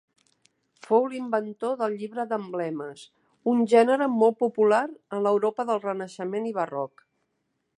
Fou l'inventor del llibre d'emblemes, un gènere molt popular en l'Europa del Renaixement i Barroc.